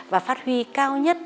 và phát huy cao nhất